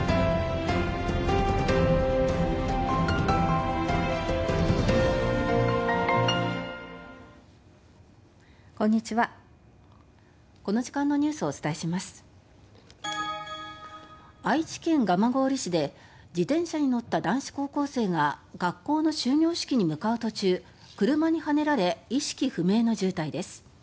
今朝、愛知県蒲郡市で自転車に乗った男子高校生が学校の終業式に向かう途中車にはねられ意識不明の重体です。